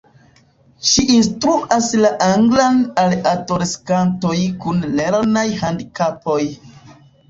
Ŝi instruas la anglan al adoleskantoj kun lernaj handikapoj.